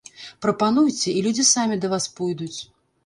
Прапануйце, і людзі самі да вас пойдуць.